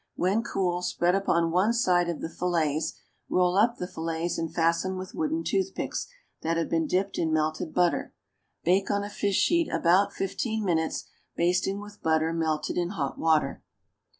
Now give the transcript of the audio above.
When cool spread upon one side of the fillets, roll up the fillets and fasten with wooden toothpicks that have been dipped in melted butter. Bake on a fish sheet about fifteen minutes, basting with butter melted in hot water.